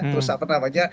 terus apa apa aja